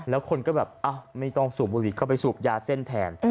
แล้วคนก็แบบไม่ต้องสูบบุหรี่ก็ไปสูบยาเส้นแทน